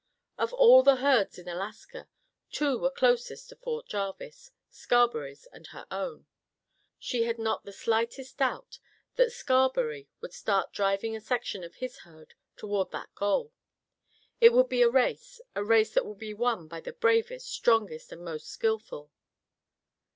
Of all the herds in Alaska, two were closest to Fort Jarvis; Scarberry's and her own. She had not the slightest doubt that Scarberry would start driving a section of his herd toward that goal. It would be a race; a race that would be won by the bravest, strongest and most skillful.